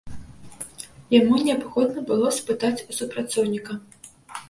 Яму неабходна было спытаць у супрацоўніка.